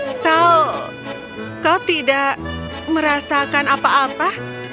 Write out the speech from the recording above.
eh eh eh kau kau tidak merasakan apa apa